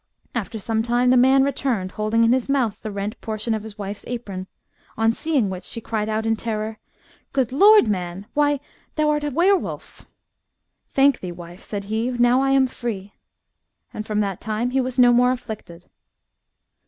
After some time the man returned, holding in his mouth the rent portion of his wife's apron, on seeing which, she cried out in terror, —" Good Lord, man, why, thou art a were wolf !"Thank thee, wife," said he, "now I am free." And from that time he was no more aflBiicted.